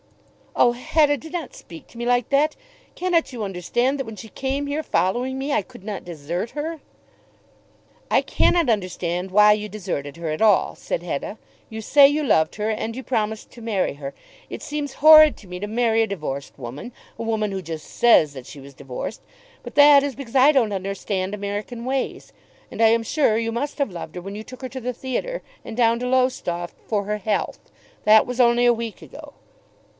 "Oh, Hetta, do not speak to me like that! Cannot you understand that when she came here, following me, I could not desert her?" "I cannot understand why you deserted her at all," said Hetta. "You say you loved her, and you promised to marry her. It seems horrid to me to marry a divorced woman, a woman who just says that she was divorced. But that is because I don't understand American ways. And I am sure you must have loved her when you took her to the theatre, and down to Lowestoft, for her health. That was only a week ago."